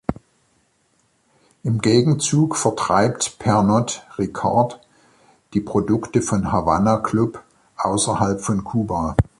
Im Gegenzug vertreibt Pernod Ricard die Produkte von Havana Club außerhalb von Kuba.